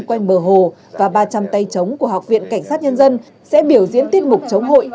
quanh bờ hồ và ba trăm linh tay chống của học viện cảnh sát nhân dân sẽ biểu diễn tiết mục chống hội